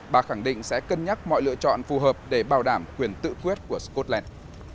bà khẳng định sẽ cân nhắc mọi lựa chọn phù hợp để bảo đảm quyền tự quyết của scotland